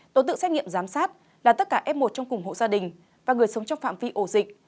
tổ tự xét nghiệm giám sát là tất cả f một trong cùng hộ gia đình và người sống trong phạm vi ổ dịch